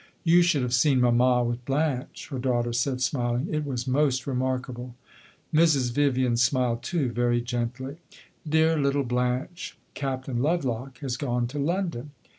"You should have seen mamma with Blanche," her daughter said, smiling. "It was most remarkable." Mrs. Vivian smiled, too, very gently. "Dear little Blanche! Captain Lovelock has gone to London."